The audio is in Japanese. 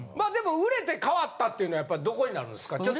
でも売れて変わったってのいうのどこになるんですか？